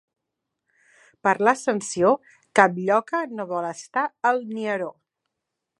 Per l'Ascensió, cap lloca no vol estar al nieró.